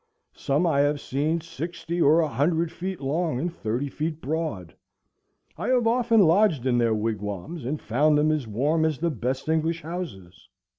Some I have seen, sixty or a hundred feet long and thirty feet broad.... I have often lodged in their wigwams, and found them as warm as the best English houses."